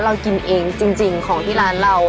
เรากินเองจริงของที่ร้านเรา